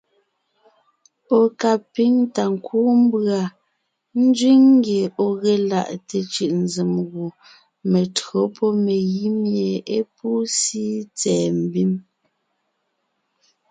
Ɔ̀ ka píŋ ta kúu mbʉ̀a nzẅíŋ ngye ɔ̀ ge laʼte cʉ̀ʼnzèm gù metÿǒ pɔ́ megǐ mie é pú síi tsɛ̀ɛ mbim.s.